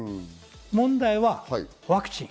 問題はワクチン。